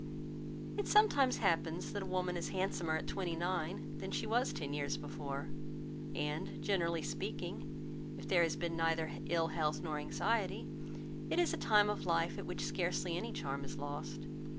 It sometimes happens that a woman is handsomer at twenty nine than she was ten years before; and, generally speaking, if there has been neither ill health nor anxiety, it is a time of life at which scarcely any charm is lost.